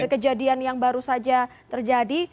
kejadian yang baru saja terjadi